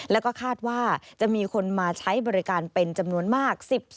แล้วก็คาดว่าจะมีคนมาใช้บริการเป็นจำนวนมาก